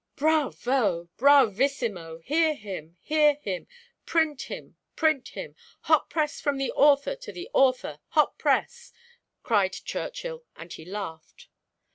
"Bravo! bravissimo! hear him, hear him! print him, print him! hot press from the author to the author, hot press!" cried Churchill, and he laughed.